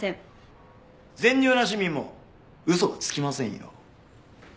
善良な市民も嘘はつきませんよ。